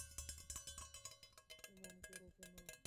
এমন করো কেন?